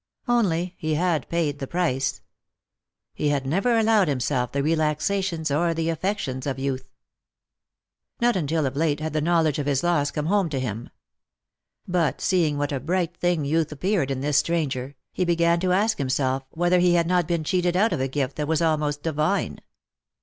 Only he had paid the price. He had never allowed himself the relaxations or the affections of youth. Not until of late had the knowledge of his loss come home to him. But seeing what a bright thing youth appeared in this stranger, he began to ask himself whether he had not been cheated out of a gift that was almost divine.